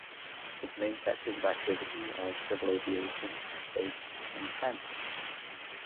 Its main sectors of activity are civil aviation, space and defence.